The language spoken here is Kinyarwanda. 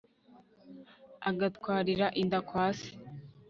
agatwarira inda kwa se